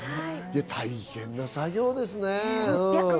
大変な作業ですね。